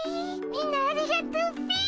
みんなありがとうっピィ。